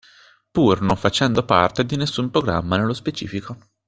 Pur non facendo parte di nessun programma nello specifico